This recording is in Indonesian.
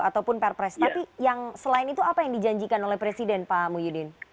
ataupun perpres tapi yang selain itu apa yang dijanjikan oleh presiden pak muhyiddin